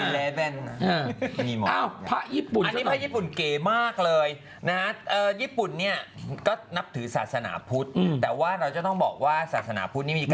แล้วก็กระเบียบเงินคราวนี้